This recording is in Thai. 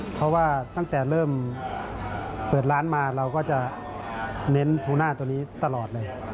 เพราะว่าตั้งแต่เริ่มเปิดร้านมาเราก็จะเน้นทูน่าตัวนี้ตลอดเลย